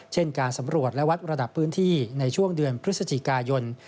เช่นการสำรวจและวัดระดับพื้นที่ในช่วงเดือนพฤศจิกายน